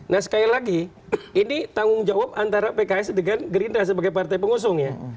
nah sekali lagi ini tanggung jawab antara pks dengan gerindra sebagai partai pengusung ya